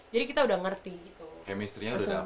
jadi kita udah ngerti gitu